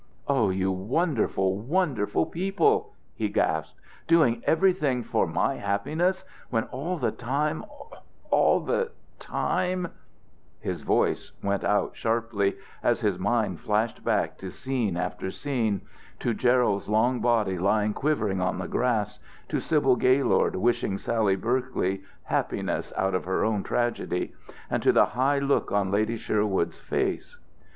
"Oh, you wonderful, wonderful people!" he gasped. "Doing everything for my happiness, when all the time all the time " His voice went out sharply, as his mind flashed back to scene after scene: to Gerald's long body lying quivering on the grass; to Sybil Gaylord wishing Sally Berkeley happiness out of her own tragedy; and to the high look on Lady Sherwood's face.